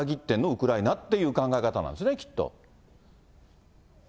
ウクライナっていう考え方なんですね、きっと。